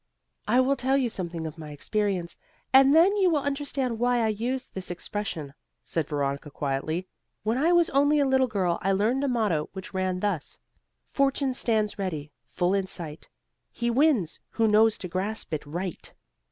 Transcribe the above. "I will tell you something of my experience, and then you will understand why I use this expression," said Veronica quietly. "When I was only a little girl I learned a motto which ran thus: 'Fortune stands ready, full in sight; He wins, who knows to grasp it right.'